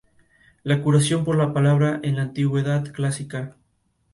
Una única vía accede al mismo.